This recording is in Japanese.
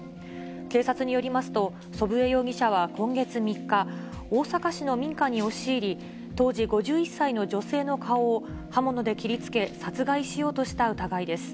警察によりますと、祖父江容疑者は今月３日、大阪市の民家に押し入り、当時５１歳の女性の顔を刃物で切りつけ、殺害しようとした疑いです。